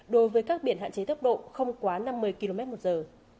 đối với các biển hạn chế tốc độ không quá năm mươi km một giờ